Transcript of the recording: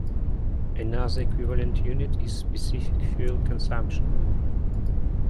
Another equivalent unit is specific fuel consumption.